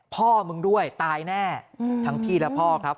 พ่อมึงด้วยตายแน่ทั้งพี่และพ่อครับ